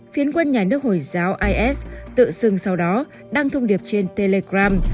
phiến quân nhà nước hồi giáo is tự xưng sau đó đăng thông điệp trên telegram